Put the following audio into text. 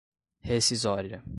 rescisória